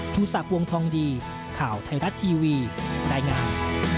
ทุศัพท์วงทองดีข่าวไทยรัฐทีวีได้งาม